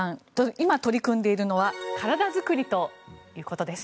今、取り組んでいるのは体作りだということです。